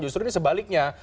justru ini sebaliknya